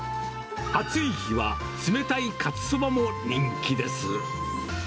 暑い日は冷たいかつそばも人気です。